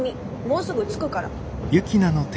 もうすぐ着くから。